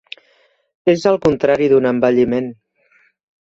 És el contrari d'un embelliment.